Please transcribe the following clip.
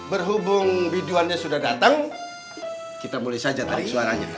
berhubung biduannya sudah dateng kita mulai sajad tadi suaranya